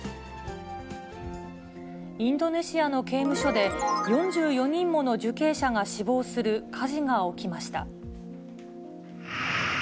インドネシアの刑務所で、４４人もの受刑者が死亡する火事が起きました。